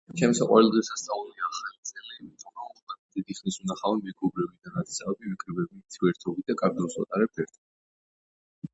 ჩემი საყვარელი დღესასწაულია ახალი წელი რადგან დიდი ხნის უნახავი მეგობრები და ნათესავები ვიკრიბებით ვერთობით და კარგ დროს ვატარებთ ერთად.